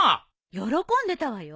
喜んでたわよ。